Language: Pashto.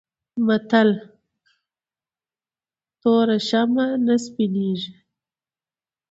متل: توره شمه نه سپينېږي.